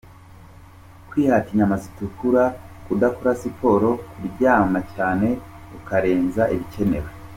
Kwihata inyama zitukura, kudakora siporo, kuryama cyane ukarenza ibikenewe.